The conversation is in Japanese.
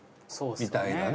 みたいなね。